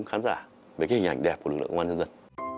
các khán giả với cái hình ảnh đẹp của lực lượng công an nhân dân